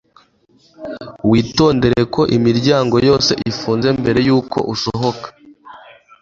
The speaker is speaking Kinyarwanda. witondere ko imiryango yose ifunze mbere yuko usohoka